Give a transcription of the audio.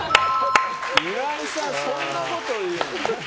岩井さん、そんなこと言うの？